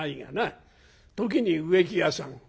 時に植木屋さん